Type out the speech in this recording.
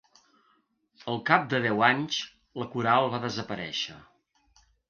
Al cap de deu anys, la coral va desaparèixer.